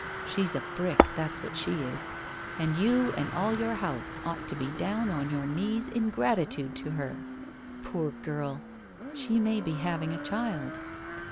She's a brick, that's what she is, and you and all your house ought to be down on your knees in gratitude to her. Poor girl! She may be having a child?